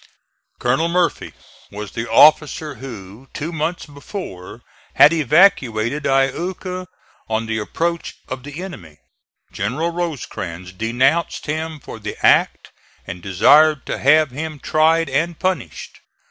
Colonel Murphy was the officer who, two months before, had evacuated Iuka on the approach of the enemy. General Rosecrans denounced him for the act and desired to have him tried and punished.